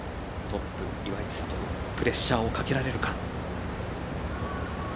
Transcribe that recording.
トップ岩井千怜プレッシャーをかけられるか。